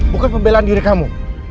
bukan pembelaan diri kamu